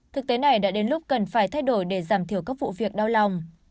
thực tế này đã đến lúc cần phải thay đổi để giảm thiểu các vụ việc đau lòng